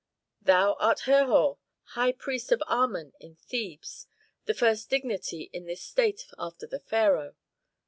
Thou art Herhor, high priest of Amon in Thebes, the first dignity in this state after the pharaoh.